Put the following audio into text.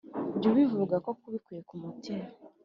jya ubivuga koko ubikuye ku mutima